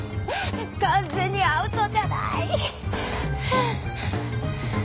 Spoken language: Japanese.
完全にアウトじゃない！